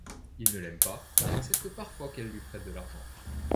Il ne l'aime pas, mais accepte parfois qu'elle lui prête de l'argent.